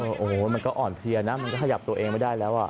โอ้โหมันก็อ่อนเพลียนะมันก็ขยับตัวเองไม่ได้แล้วอ่ะ